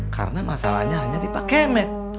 karena masalahnya hanya di pak kemet